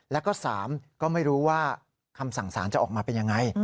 แล้วก็๓ก็ไม่รู้ว่าคำสั่งสารจะออกมาเป็นยังไง